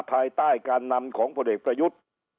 ภายใต้การนำของผลเอกประยุทธ์